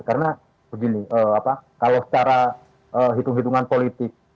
karena begini kalau secara hitung hitungan politik